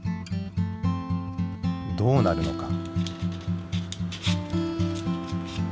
どうなるのか？